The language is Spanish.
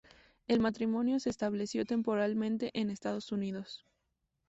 El matrimonio se estableció temporalmente en Estados Unidos.